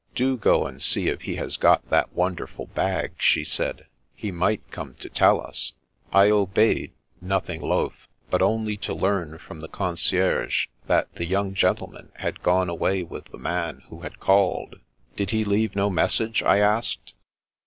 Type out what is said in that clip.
" Do go and see if he has got that wonderful bag," she said. " He might ccMne to tell us !" I obeyed, nothing loth, but only to learn from the concierge that the young gentleman had gone away with the man who had called. Did he leave no message? " I asked.